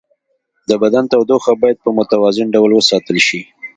د بدن تودوخه باید په متوازن ډول وساتل شي.